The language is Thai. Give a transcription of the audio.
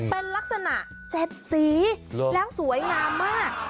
เป็นลักษณะ๗สีแล้วสวยงามมาก